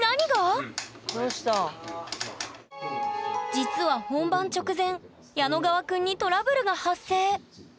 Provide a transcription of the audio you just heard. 実は本番直前ヤノガワ君にトラブルが発生。